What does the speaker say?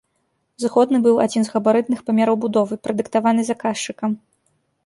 Зыходным быў адзін з габарытных памераў будовы, прадыктаваны заказчыкам.